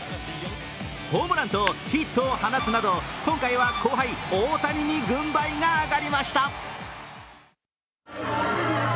ホームランとヒットを放つなど今回は後輩・大谷に軍配が上がりました。